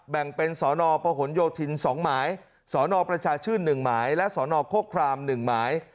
แบ่งเป็นสภโยธินสประชาชื่น๑หมายและสโครคคลาม๑หมาย